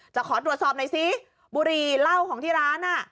ขอตรวจสอบหน่อยสิบุรีเหล้าของที่ร้าน